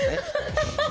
ハハハハ！